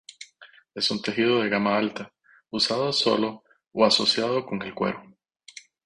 Es un tejido de gama alta, usado solo o asociado con el cuero.